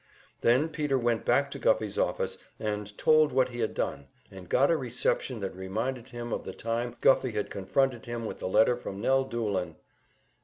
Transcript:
Then Peter went back to Guffey's office, and told what he had done and got a reception that reminded him of the time Guffey had confronted him with the letter from Nell Doolin!